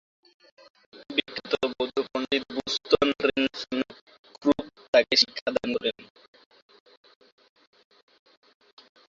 বিখ্যাত বৌদ্ধ পণ্ডিত বু-স্তোন-রিন-ছেন-গ্রুব তাকে শিক্ষাদান করেন।